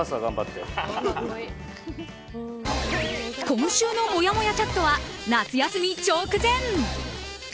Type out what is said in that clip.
今週のもやもやチャットは夏休み直前！